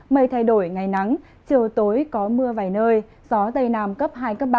mây thay đổi ngày nắng chiều tối có mưa vài nơi gió dày nằm cấp hai ba